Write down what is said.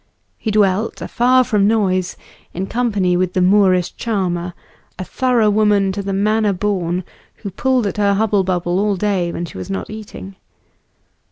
He dwelt, afar from noise, in company with the Moorish charmer, a thorough woman to the manner born, who pulled at her hubble bubble all day when she was not eating.